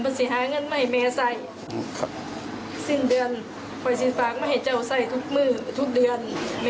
บัญษีหางานไม่ให้แม่ใส่สิ้นเดือนคอยสิ้นฝากไม่ให้เจ้าใส่ทุกเดือน